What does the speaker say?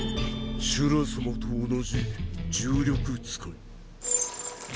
シュラさまと同じ重力使い。